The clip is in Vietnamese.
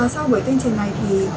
sau buổi tinh trình này thì